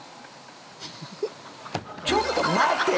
ちょっと待てぃ！！